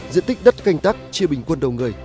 diện tích đất canh tác chia bình quân đầu người